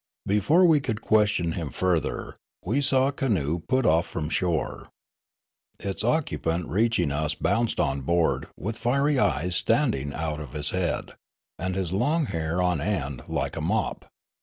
Before we could question him further, we saw a canoe put off from shore. Its occupant reaching us bounced on board, with fiery eyes standing out of his head, and his long hair on end like a mop.